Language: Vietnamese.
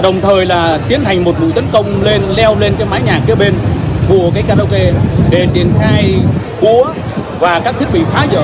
đồng thời tiến hành một vụ tấn công leo lên mái nhà kia bên của karaoke để triển khai búa và các thiết bị phá dở